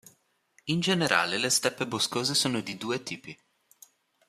In generale le steppe boscose sono di due tipi.